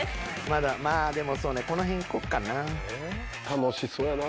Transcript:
まだまぁでもそうねこのへん行こっかな。